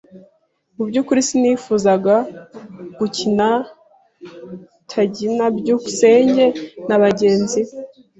Mu byukuri sinifuzaga gukina tagi na byukusenge na bagenzi be.